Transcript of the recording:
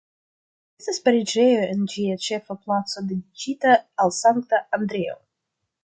Estas preĝejo en ĝia ĉefa placo dediĉita al Sankta Andreo.